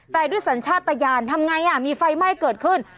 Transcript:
แต่ด้วยสัญชาติตะยานทำไงมีไฟไหม้เกิดขึ้น